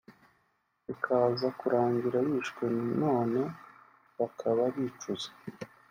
bikaza kurangira yishwe none bakaba bicuza